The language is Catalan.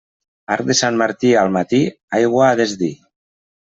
Arc de Sant Martí al matí, aigua a desdir.